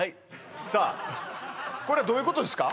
さあこれはどういうことですか？